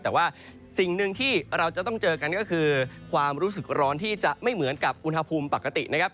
แต่ว่าสิ่งหนึ่งที่เราจะต้องเจอกันก็คือความรู้สึกร้อนที่จะไม่เหมือนกับอุณหภูมิปกตินะครับ